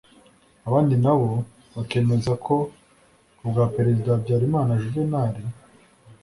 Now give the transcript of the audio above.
abandi nabo bakemeza ko no ku bwa Perezida Habyarimana Juvenal